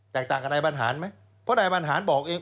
ต่างกับนายบรรหารไหมเพราะนายบรรหารบอกเอง